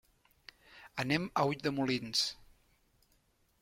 Anem a Ulldemolins.